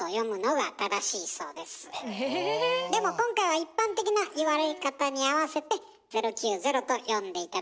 でも今回は一般的な言われ方に合わせて「０９０」と読んで頂きました。